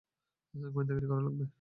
গোয়েন্দাগিরি করা লাগবে।